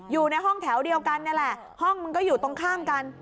อยู่ในห้องแถวเดียวกันนี่แหละห้องมันก็อยู่ตรงข้ามกัน